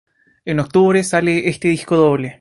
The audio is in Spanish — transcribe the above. En octubre sale este disco doble.